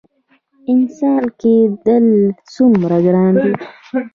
انسان کیدل څومره ګران دي؟